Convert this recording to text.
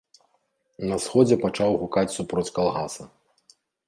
На сходзе пачаў гукаць супроць калгаса.